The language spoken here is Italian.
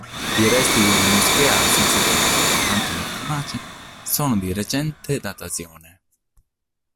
I resti di una moschea senza tetto accanto alla fornace sono di recente datazione.